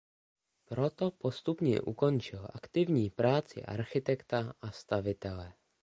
Proto postupně ukončil aktivní práci architekta a stavitele.